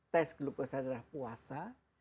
tes glukosa darah puasa